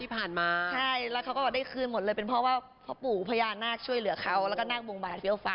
เพราะปู่พญานาคช่วยเหลือเขานั่งบุงบาทเฟี้ยว